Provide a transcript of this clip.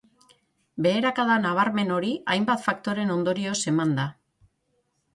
Beherakada nabarmen hori hainbat faktoren ondorioz eman da.